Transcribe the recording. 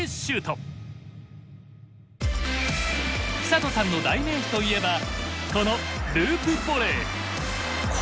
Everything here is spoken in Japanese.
寿人さんの代名詞といえばこのループボレー！